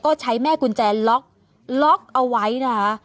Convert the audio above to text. ก็ใช้แม่กุญแจล็อกล็อกเอาไว้นะคะ